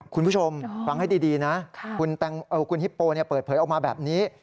คุณผู้ชมฟังให้ดีนะคุณฮิปโปเปิดเผยออกมาแบบนี้